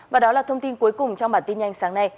và đó là thông tin cuối cùng trong bản tin nhanh sáng nay